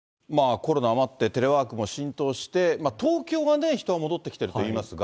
コロナもあって、テレワークも浸透して、東京はね、人は戻ってきてるといいますが。